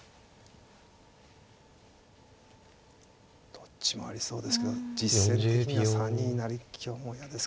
どっちもありそうですけど実戦的には３二成香も嫌ですけど。